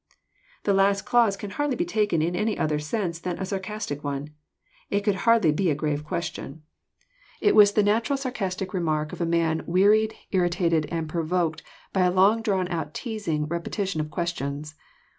The last clause can hardly be taken in any other sense than a sarcastic one. It could haidly be a grave question. It was 164 EXPOSITORT THOUGHTS. the natnral sarcastic remark of a man weaiied, irritated, and provoked by a long drawn teasing repetition of questions.